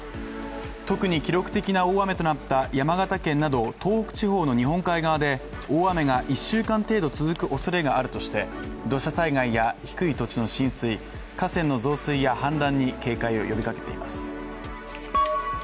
特に記録的な大雨となった山形県など東北地方の日本海側で大雨が１週間程度続くおそれがあるとして土砂災害や低い土地の浸水、河川の増水や氾濫に警戒を呼びかけています。